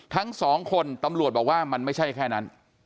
ทั้งสองคนตำรวจบอกว่ามันไม่ใช่แค่นั้น